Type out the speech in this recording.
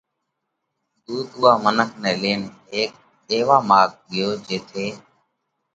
ۮُوت اُوئا منک نئہ لينَ هيڪ ايوا ماڳ ڳيو جيٿئہ